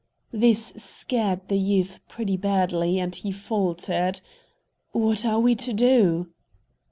This scared the youth pretty badly, and he faltered, "What are we to do?"